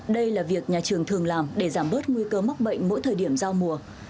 đây là việc nhà trường thường làm để giảm bớt nguy cơ mắc bệnh mỗi thời điểm giao mùa